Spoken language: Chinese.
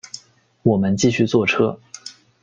我们继续坐车